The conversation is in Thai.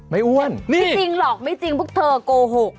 ไม่อ้วนนี่ไม่จริงหรอกไม่จริงพวกเธอกลูกหุก